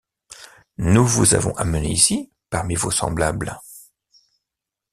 Nous vous avons amené ici, parmi vos semblables